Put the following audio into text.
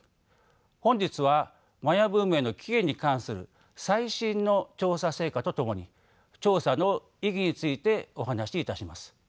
本日はマヤ文明の起源に関する最新の調査成果とともに調査の意義についてお話しいたします。